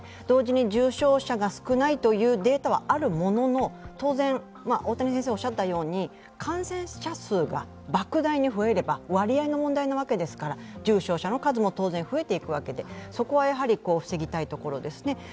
同時に重症者が少ないというデータはあるものの、当然、感染者数が莫大に増えれば割合の問題なわけですから重症者の数も当然増えていくわけで、そこは、やはり防ぎたいところですね。